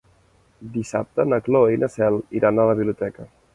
Dissabte na Cloè i na Cel iran a la biblioteca.